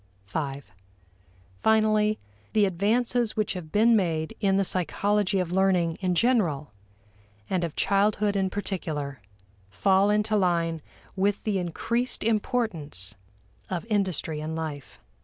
(v) Finally, the advances which have been made in the psychology of learning in general and of childhood in particular fall into line with the increased importance of industry in life.